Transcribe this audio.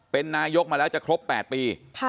เป็นนายกมาแล้วจะครบ๘ปี